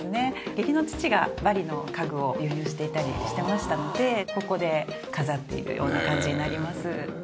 義理の父がバリの家具を輸入していたりしてましたのでここで飾っているような感じになります。